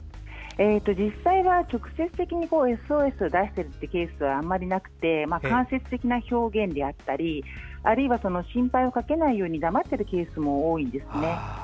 実際は直接的にＳＯＳを出しているというケースはあまりなくて間接的な表現であったりあるいは心配をかけないように黙ってるケースも多いんですね。